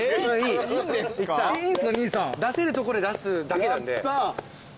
出せるとこで出すだけなんで。